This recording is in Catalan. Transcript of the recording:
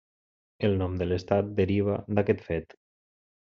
El nom de l'estat derivaria d'aquest fet.